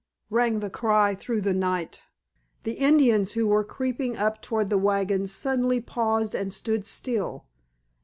rang the cry through the night. The Indians who were creeping up toward the wagons suddenly paused and stood still.